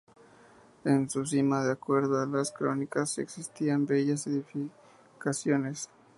En su cima, de acuerdo a las crónicas, existían bellas edificaciones.